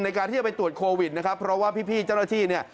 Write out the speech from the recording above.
ในการที่จะไปตรวจโควิดนะครับเพราะว่าพี่เจ้าหน้าที่เนี่ย